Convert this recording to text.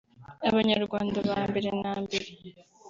Abanyarwanda ba mbere na mbere